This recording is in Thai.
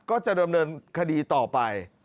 ก็จะดำเนินคดีต่อไป